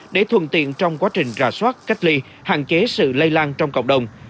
để thuận tiện trong quá trình rà soát cách ly hạn chế sự lây lan trong cộng đồng